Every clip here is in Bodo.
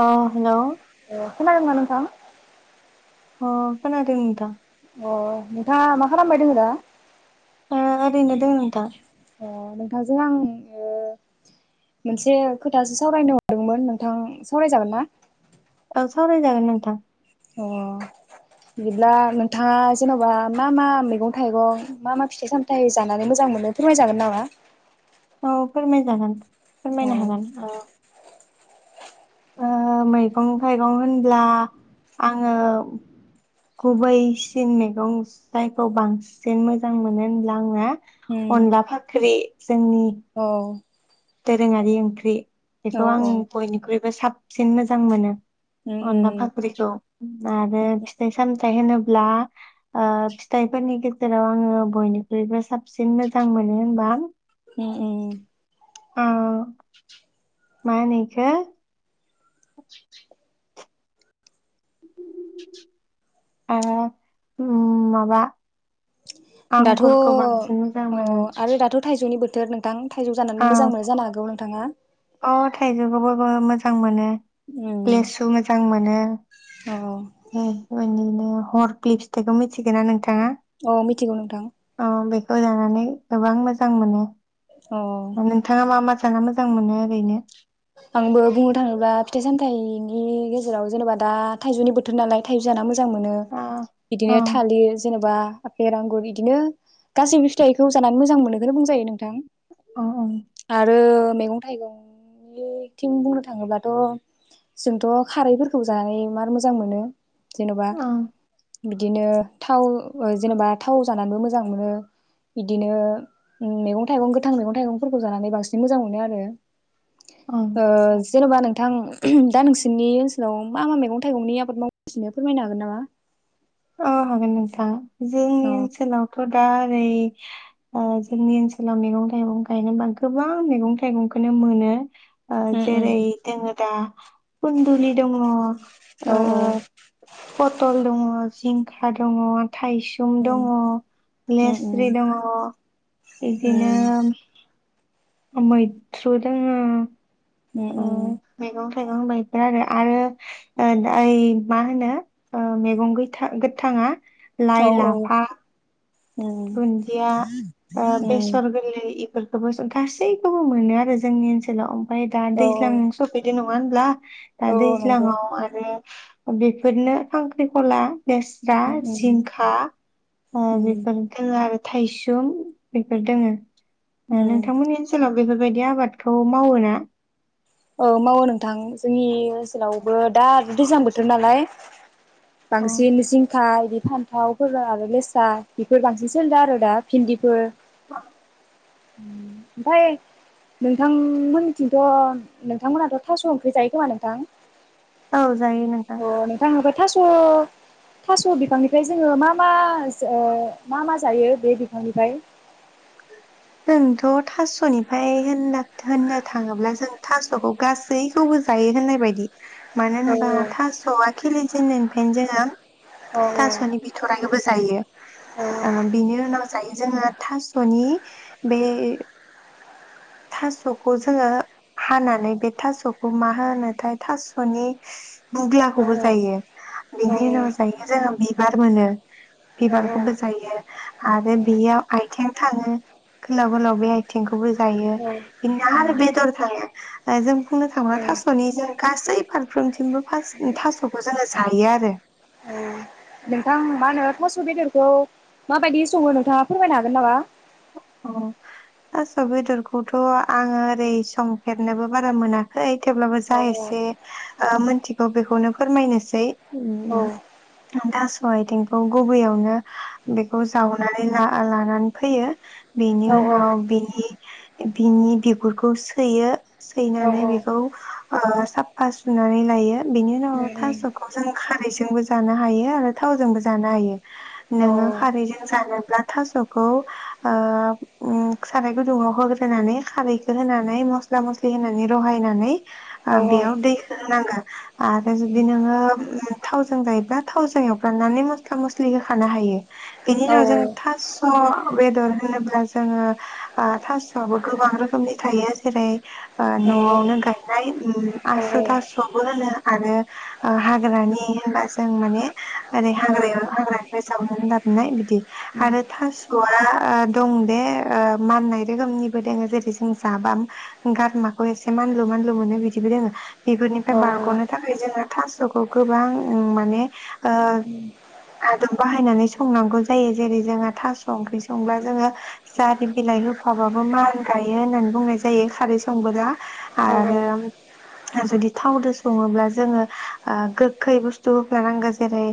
औ हेलौ अ खोनादोंना नोंथां। अ खोनादों नोंथां। अ नोंथाङा मा खालामबायदों दा? ए ओरैनो दोङो नोंथां। ओ नोंथांजों आं मोनसे खोथासो सावरायनो हरदोंमोन नोंथां सावरायजागोन ना? औ सावरायजागोन नोंथां। बिदिब्ला नोंथाङा जेनबा मा मा मैगं थाइगं मा मा फिथाइ सामथाइ जानानै मोजां मोनो फोरमायजागोन नामा? औ फोरमाय जागोन। औ फोरमायनो हागोन अ ओ मैगं थायगं होनब्ला आङो गुबैसिन मैगं जायखौ बांसिन मोजां मोनो होनब्ला आङो उम अनला फाख्रि जोंनि औ दोरोङारि ओंख्रि औ बेखौ आं औ बयनिख्रुइबो साब सिन मोजां मोनो। उम अनला उम फाख्रिखौ आरो फिथाइ साम फिथाय होनोब्ला ओ फिथाय फोरनि गेजे जेराव आङो बयनिख्रुइबो साबसिन मोजां मोनो होनबा हो उम। ओ मा होनो इखो माबा उम माबा दाथ' आंगुरखौ बांसिन मोजां अ मोनो आरो दाथ' थाइजौनि बोथोर नोंथां थाइजौ जानानै अ मोजां मोनो जानो हागौ। थाङा अ थाइजौबाबो मोजां मोनो। उम लेसु मोजां मोनो अ [unintelligible] हरफ्लि फिथाइखो मिथिगोना नों अ मिथिगौ नोंथां खौजानानै गोबां मोजां मोनो। अ नोंथाङा मा मा जानो मोजां मोनो ओरैनो आंबो बुंनो थाङोब्ला फिथाइ सामथायाइनि गेजेराव जेनेबा दा थाइजौनि बोथोर नालाय थाइजौ जाना जां मोनो अ औ बिदिनो थालिर जेनेबा आफेर, आंगुर इदिनो गासैबो फिथाइखौ जाना मोजां मोनो खौनो बुजाङो नोंथां। औ औ आरो मैगं-थाइगं बियो थिं बुंनो थाङोब्लााथ' जोंथ' खारैफोरखौबो जानानै मार मोजां मोनो। जेन'बा ओं बिदिनो थाव ओ जेनेबा थाव जानानैबो मोजां मोनो इदिनो मैगं-थाइगं गोथां मैगं-थाइगंफोरखौबो जानानै बांसिन मोजां मोनो आरो ओं ओ जेनेबा नों थां दा नोंसोरनि ओनसोलाव मा मा मैगं-थाइगंनि आबाद मावगासिनो फोरमायनो हागोन नामा? अ हागोन नोंथां जोंनि औ ओनसोलावथ' दारै आ जोंनि ओनसोलाव मैगं-थाइगं गायनोबा गोबां मैगं-थाइगंखोनो मोनो। ओ उम जेरै उम दोङो दा कुन्दुलि दङ' ओ औ औ पट'ल दङ' जिंखा दङ' थाइसुम दङ' उम लेस्रि उम दङ' उम बिदिनोम ओमैथ्रु दोङो उम ओ उम मैगं थाइगं बायफोर आरो आरो ओ दा ओइ मा होनो ओ मेगं गैथा गोथाङा लाय औ लाफा उम धुन्दिया ओ उम बेसर गोरलै बेफोरखौबो गासैखौबो मोनो आरो जोंनि ओनसोलाव ओफ्राय दा औ दैज्लां सफैदि न नङा होनब्ला? दा औ नंगौ दैज्लाङाव आरो बेफोरनो खांख्रिखला लेस्रा उम जिंखा ओ बे उम दोङो आरो थायसुम बेफोर दोङो ओ उम नोंथांमोननि ओनसोलावब बेफोरबायदि आबादखौ मावो ना। औ मावो नोंथां जोंनि ओनसोलावबो दा दैज्लां बोथोर नालाय अ फांसे मिसिं फ्राय बि फान्थाव फोर आरो लेसा बेफोर बांसिन सोलिदों आरो दा भिन्दिफोर मा ओम ओमफाय नोंथांमोननिथिंथ' नोंथांमोनहाथ' थास' ओंक्रि जायो खोमा नोंथां? औ जायो नोंथां। अ नोंथां ओमफ्राय थास' थास' बिफांनिफ्राय जोंङो मा मा ओ मा मा जायो बे बिफांनिफाय। जोंथ' थास'निफाय होननाथ होननो थाङोब्ला जों थास'खौ गासैखौबो जायो होननाय बायदि। मानो औ होनबा थास'आ खिलि जेनन्नायनिफायनो जोङो औ थास'नि बिथ'राइखौबो जायो ओ बिनि उनाव जायो। जोङा थास। टनि बेओ थास'खौ जोङो हानानै बे थास'खौ मा होनोथाय थास'नि। बुग्लाखौबो जायो बिनि उनाव जायो जोङो बिब। गार मोनो। बिबारखौबो जायो आरो बेयाव आइथें थाङो गोलाव गोलाव बे आइथिंखोबो जायो। इनना आरो बेदर थांङो। फाइ जों। बुंनो थांब्ला थास'नि जों गासै फारफ्रोमथिंबो फास थास'खौ जोंङो जायो आरो। मोसौ बेदरखौ माबायदि संङो नोंथाङा फोरमायनो हागोन नामा? अ थास' बेदरखौथ'आंङो ओरै संफेरनोबो बारा मोनाखै। थेवब्लाबो औ जा एसे ओ मोनथिगौ बेखौनोब फोरमायनोसै औ अ आइथिंखौ गुबैयावनो बेखौ जावना [unintelligible] लानानै फैयो। बिनि औ उनाव बिनि बिनि बिगुरखौ सैयो। औ सैनानै बेखौ ओ साफा सुनानै लायो। बिनि उनाव उम उम थास'खौ जों खा रै जोंबो जानो हायो आरो थावजोंबो जानो हायो। औ नोनोंङो खारैजों जानोब्ला थास'खौ ओ उम साराय गुदुंङाव होग्रोनानै खारैखौ होनानै मस्ला मस्लि होनानै रहायनानै ओ औ बेयाव दै होनांगोन। आरो जुदि नोंङो उम थावजों जायोब्ला थावजों एवफ्रामनानै मस्ला मस स्लि होखानो हायो। बेनि औ उनाव जों औ थास' बेदर होनोब्ला जोंङो आ थास'आबो गोबां रोखोमनि थायो। जेरै ओ न'आवनो उम औ गायनाय उम आसु थासुबो होनो आरो हाग्रानि होनबा जों माने ओरै हाग्रायाव [unintelligible] जावनानै लाबनाय बिद दि आरो थास'आ ओ दं बे ओ माननाय रोखोमनिबो दोंङो जेरै जों जाबा गारमाखौ एसे मानलु मानलु मोनो बिदिबो दोंङो। बिगुरनिफ्राय बारग'नो थाखाय जोंङो थास'खौ गोबां माने ओ‌ आदब बाहायनानै संनांगौ जायो जेरै जोंहा थास' ओंख्रि संब्ला जोंङो जारि बिलाइ होफाबाबो मानगायो होननानै बुंनाय जायो खारै संबोला आरो औ औ जुदि थावदो सङोब्ला जोङो ओ गोखै बुस्थु होफानांगो जेरै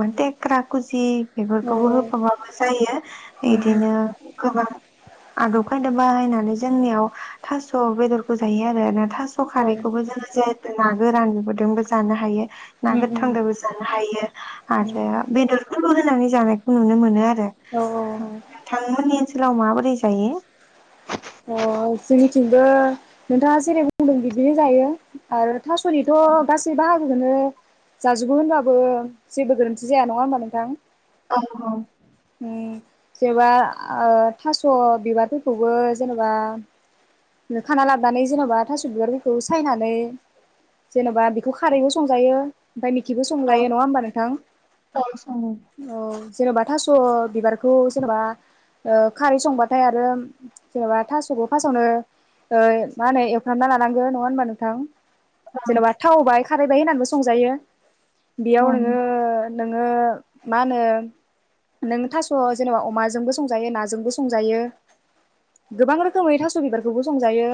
ओ टेक्रा कुजि। बेफोरखौबो औ होफाबाबो जायो। उम इदिनो। उम गोबां आदब खायदा बाहायनानै जोंनियाव थास' बेदरखौ जायो आरो ना थास स औ खारैखौबो लोगोसे ना गोरान बेफोरजोंबो जानो हायो। ना उम उम गोथां जानो हायो उम आरो बेदरखौबो होनानै जानायखौ नुनो मोनो आरो। औ औ। नोंथांमोननि ओनसोलाव माबोरै जायो? औ अ जोंनिथिंबो नोंथाङा जेरै बुंदों बिदिनो जायो आरो थासनिथ' गासै बा [unintelligible] जाजोबो होनबाबो जेबो गोरोन्थि जाया नङा होमबा नोंथां। औ औ। उम जेनेबा ओ थास बिबारफोरखौबो जेनेबा खाना लाबोनानै जेन'बा थास' बिबारखौ सायनानै जेन'बा बेखौ खारैजों संजायो। ओमफाय निखिबो संजायो नङा होमबा नोंथां औ औ। जेनेबा थास' बिबारखौ जेनेबा ओ खारै संबाथाय आरो जेनेबा थास'खौ फार्स्टआवनो ओ मा होनो एवफ्रामना लानांगौ नङा होमबा नोंथां। जेनेबा थाव होबाय। खारैबाय होनाबो संजायो। बेयाव नोङो नोङो मा होनो नों थास' जेनेबा अमाजोंबो संजायो नाजोंबो संजायो गोबां रोखोम खोमनि थास' बिबारखौबो संजायो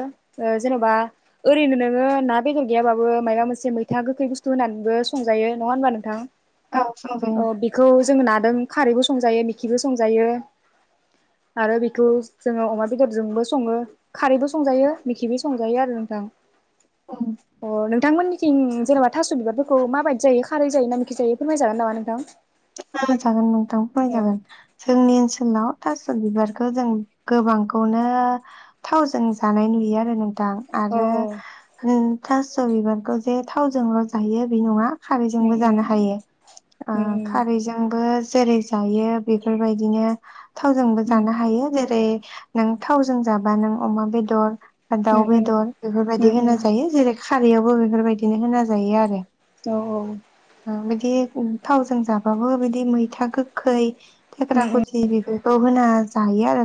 ओ जेनेबा ओरैनो नोङो ना बेदर गैयाबाबो मायबा मोनसे मैथा गोखै बस्थु होनानैबो संजायो नङा होनबा नोंथां। संजायो अ बेखौ जोङो नादों। खारैबो संजायो मिखिबो संजायो आरो बेखौ जोङो अमा बेदरजोंबो सङो खारैबो संजायो मेखिबो संजायो आरो नोंथां। औ। औ नोंथां मोननिथिं जेनेबा थास' बिबारफोरखौ मा बायदि जायो खारै जायोना मेखि जायो फोरमाय जागोन नामा नोंथां। फोरमाय जागोन नोंथां अ फोरमायजागोन जोंनि ओनसोलाव थास' बिबारखौ जों गोबांखौनो थावजों जानाय नुयो आरो नों दां औ आरो। थास' बिबारखौ जे थावजोंल' जायो बे नङा। उम खारैजोंबो जानो हायो ओ उम खारैजोंबो। जेरै जायो बेफोर बायदिनो थावजोंबो उम जानो हायो जेरै नों थावजों जाबा नों अमा बेदर उम दाउ बेदर बेफोर उम बायदि उम होना जायो जेरै खारैयावबो बेफोर बायदिनो होना जायो आरो। औ औ। ओ बिदि थावजों जाब उमहो बिदि मैथा गोखै थेक्रा उम खुसि बेफोरखौ होना जायो आरो।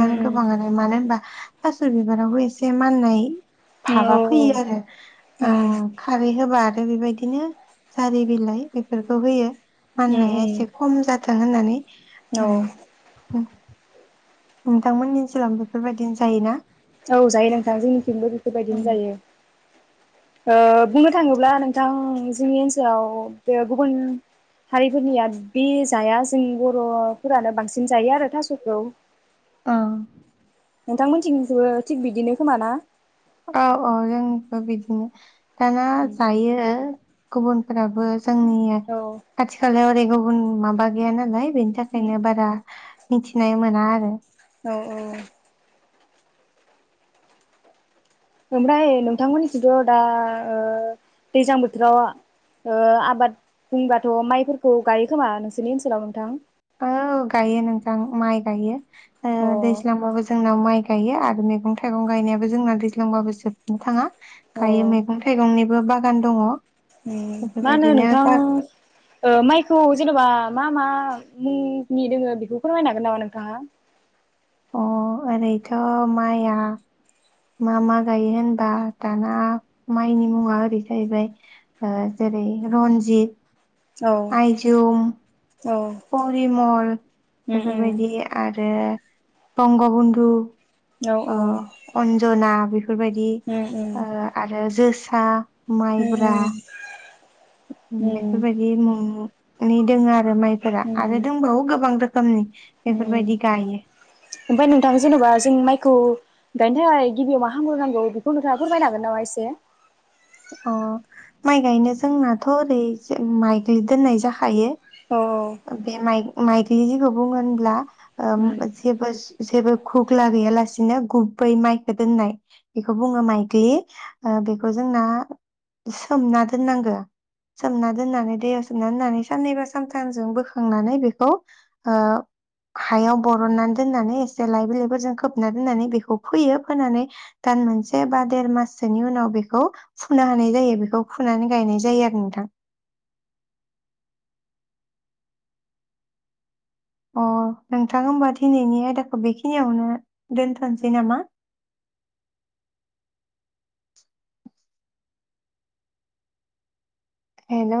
उम उम गोबाङानो मानो होनबा थास' बिबारावबो एसे माननाय औ भाबा औ उम फैयो आरो खारै होबा आरो बेबायदिनो जारि बिलाइ बेफोरखौ होयो। उम माननाया उम एसे खम जा थां होननानै। औ। नोंथांमोननि ओनसोलाव बेफोर बायदिनो जायोना? औ जायो नोंथां जोंनिथिंबो बेफोर बायदिनो ओं जायो। बुंनो थाङोब्ला नोंथां जोंनि ओनसोलाव बे गुबुन हारिफोरनिया बे जाया जों बर'फोरानो बांसिन जायो आरो थास'खौ। उम। नोंथांमोनथिं बो थिग बिदिनो खोमाना। औ औ जोंबो बिदिनो। दाना जायो। गुबुनफोराबो जोंनि औ खाथि खालायाव ओरै गुबुन माबा गैया नालाय। बेनि थाखायनो बारा मिथिनाय मोना आरो। औ औ ओमफ्राय नोंथांमोननिथिथ दा दैज्लां बोथोराव आबाद बुंबाथ माइफोरखौ गायो खोमा नोंसोरनि ओनसोलाव नोंथां? औ गायो नोंथां माइ गायो। अ दैज्लांबाबो जोंना माइ गायो आरो मैगं थायगं गायनायाबो जोंना दैज्लांबाबो जोबनो थाङा। अ गायो मैगं थायगंनि बो बागान दङ। मा होनो बेफोरबायदिनो गा नोंथां मायखौ जेनेबा मा मा मुंनि दोङो बेखौ फोरमायनो हागोन नामा नोंथाङा। अ ओरैथ' माइआ मा मा गायो होनबा दाना माइनि मुङा ओरै जाहैबाय जेरै रनजित औ आइजुम औ परिमल उम उम बेफोरबायदि आ रो बंग' गुन्दु औ अ अन्जना बेफोरबायदि आरो जो सा अम अम बेफोरबायदि मुं नि दोंङो आ रो माइफोरा आरो दंबावो गोबां रोखोमनि बेफोरबायदि गायो। ओमफ्राय नोंथां जेन'बा जों माइखौ गायनो थाखाय गिबियाव मा खामग्रो नांगौ बेखौ नोंथाङा फोरमायनो हागोन नामा एसे। अ माय गायनो जोंनाथ ओरै मायग्लि दोननाय जाखायो। अ मायग्लि जिखौ बुङो होनब्ला ओम उम जेबो जेबो घुग्ला गैयालासिनो गुबै माइखौ दोननाय बेखौ बुङो माइग्लि बेखौ जोंना सोमना दोननांगो सोमना दोननानै दैयाव सोमना दोननानै साननैबा सानथामजों बोखांनानै बेखौ हायाव बरननानै दोननानै एसे लाय बिलायफोरजों खोबना दोननानै बेखौ फोयो फोनानै दान मोनसे बा देर माससोनि उनाव बेखौ फुनो हानाय जायो बेखौ फुनानै गायनाय जायो आरो नोंथां। अ नोंथां होमबा दिनैनि आयदाखौ बेखिनियावनो दोनथनसै नामा हेलौ